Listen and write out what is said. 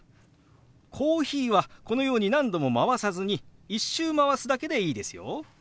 「コーヒー」はこのように何度もまわさずに１周まわすだけでいいですよ。